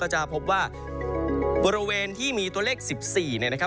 จะพบว่าบริเวณที่มีตัวเลข๑๔เนี่ยนะครับ